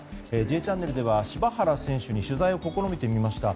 「Ｊチャンネル」では柴原選手に取材を試みてみました。